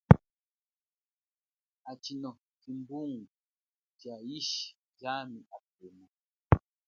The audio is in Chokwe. Atshino tshimbungu tsha yishi jami apema.